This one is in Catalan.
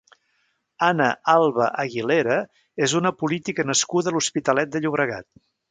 Ana Alba Aguilera és una política nascuda a l'Hospitalet de Llobregat.